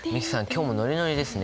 今日もノリノリですね。